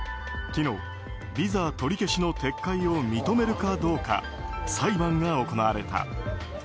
昨日、ビザ取り消しの撤回を認めるかどうか裁判が行われた。